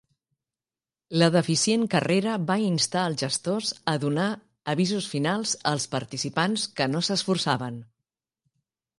La deficient carrera va instar als gestors a donar "avisos finals" als participants que no s'esforçaven.